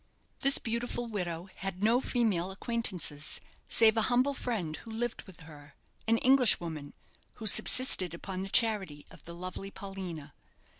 This beautiful widow had no female acquaintances, save a humble friend who lived with her, an Englishwoman, who subsisted upon the charity of the lovely Paulina.